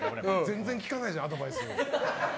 全然聞かないじゃんアドバイス。